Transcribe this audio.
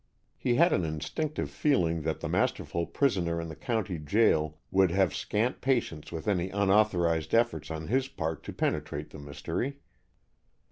He had an instinctive feeling that the masterful prisoner in the county jail would have scant patience with any unauthorized efforts on his part to penetrate the mystery.